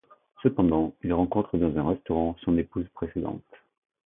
Cependant, il rencontre dans un restaurant son épouse précédente.